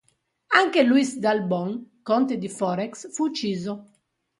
Anche Louis d'Albon, conte di Forez fu ucciso.